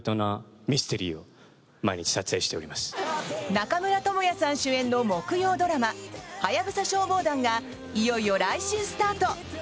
中村倫也さん主演の木曜ドラマ「ハヤブサ消防団」がいよいよ来週スタート。